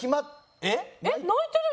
「えっ？」